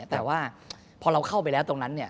แต่ว่าพอเราเข้าไปแล้วตรงนั้น